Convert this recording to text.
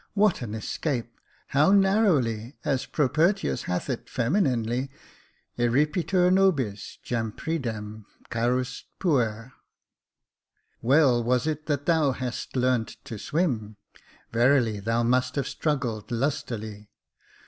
What an escape ! How narrowly, as Propertius hath it femininely, * Eripitur nobis jampridem carus puer^ Well was it that thou hadst learnt to swim — verily thou must have struggled lustily.